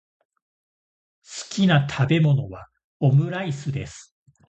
好きな食べ物はオムライスです。